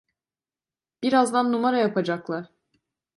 Birazdan numara yapacaklar!